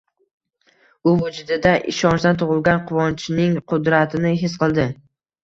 U vujudida ishonchdan tug‘ilgan quvonchning qudratini his qildi.